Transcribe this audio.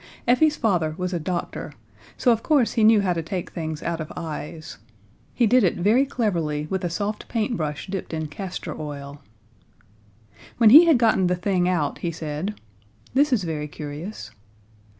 Effie's father was a doctor, so of course he knew how to take things out of eyes he did it very cleverly with a soft paintbrush dipped in castor oil. When he had gotten the thing out, he said: "This is very curious."